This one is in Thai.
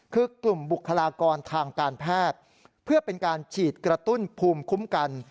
คือกลุ่มบุคลากรทางการแพทย์เพื่อเป็นการฉีดกระตุ้นภูมิคุ้มกัน